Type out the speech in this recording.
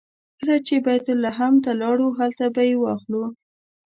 کله چې بیت لحم ته لاړو هلته به یې واخلو.